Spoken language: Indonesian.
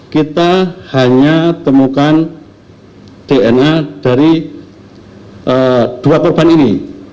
kita hanya temukan dna dari dua korban ini